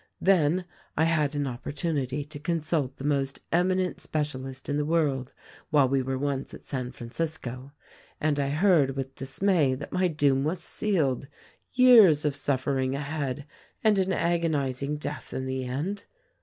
Then I had an opportunity to consult the most eminent specialist in the world, while we were once at San Francisco, and I heard with dismay that my doom was sealed : years of suffering ahead, and an agonizing death in the end.